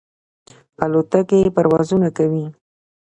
الوتکې پروازونه کوي.